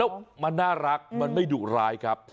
แล้วมันน่ารักมันไม่ดุร้ายครับ